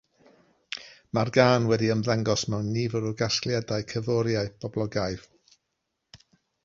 Mae'r gân wedi ymddangos mewn nifer o gasgliadau cerddoriaeth boblogaidd.